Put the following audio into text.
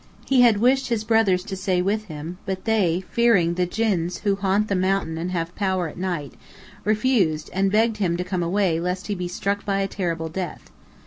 He had wished his brothers to stay with him, but they, fearing the djinns who haunt the mountain and have power at night, refused, and begged him to come away lest he be struck by a terrible death.